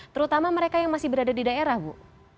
terutama mereka yang masih berada di daerah bu